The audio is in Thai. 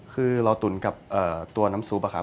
คือเราตุ๋นกับตัวน้ำซุปอะครับ